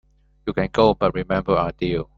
You can go, but remember our deal.